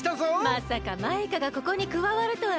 まさかマイカがここにくわわるとはねえ。